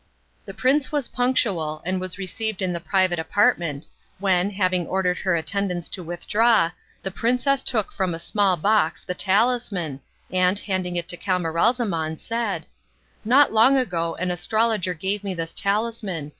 The prince was punctual, and was received in the private apartment, when, having ordered her attendants to withdraw, the princess took from a small box the talisman, and, handing it to Camaralzaman, said: "Not long ago an astrologer gave me this talisman.